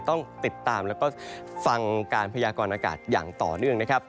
ต้องติดตามแล้วก็ฟังการพยากรณากาศอย่างต่อเนื่องนะครับ